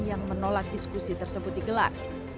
yang menolak diskusi tersebut digelar